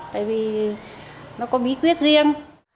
tại vì nó có bí quyết riêng